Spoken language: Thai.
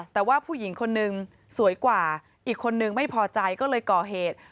แต่ว่าผู้หญิงคนนึงสวยกว่าอีกคนนึงไม่พอใจก็เลยก่อเหตุ